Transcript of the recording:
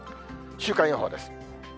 週間予報です。